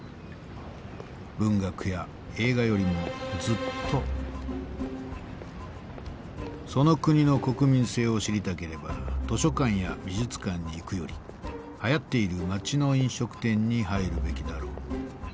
文学や映画よりもずっとその国の国民性を知りたければ図書館や美術館に行くよりはやっている町の飲食店に入るべきだろう。